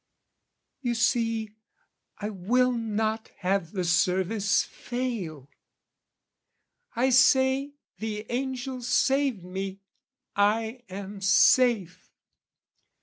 You see, I will not have the service fail! I say, the angel saved me: I am safe!